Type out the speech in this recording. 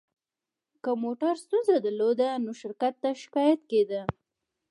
که موټر ستونزه درلوده، نو شرکت ته شکایت کېده.